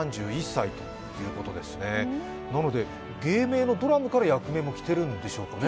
なので芸名のドラムから役名も来てるんでしょうかね。